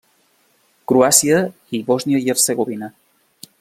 Croàcia i Bòsnia i Hercegovina.